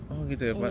oh gitu ya pak